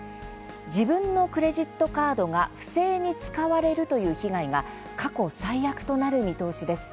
自分のクレジットカードが不正に使われるという被害が過去最悪となる見通しです。